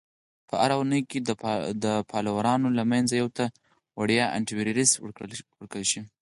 - په هره اونۍ کې د فالوورانو له منځه یو ته وړیا Antivirus ورکړل شي.